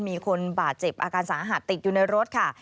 มีคนบาดเจ็บอาการสาหัสติดอยู่ในรถค่ะ